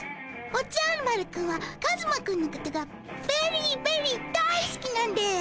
おじゃる丸くんはカズマくんのことがベリーベリー大好きなんです！